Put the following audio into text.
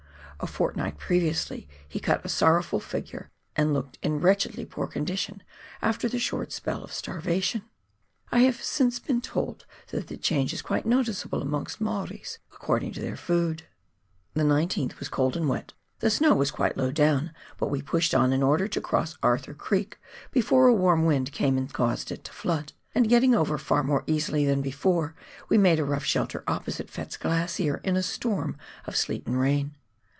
A fortnight previously he cut a sorrowful figure, and looked ill wretchedly poor condition after the short spell of starvation. I have since been told that the change is quite noticeable amongst Maoris, according to their food. The 19th was cold and wet, the snow was quite low down, bat we pushed on in order to cross Arthur Creek before a warm wind came and caused it to flood ; and getting over far more easily than before, we made a rough shelter opposite Fettes' Glacier, in a storm of sleet and rain.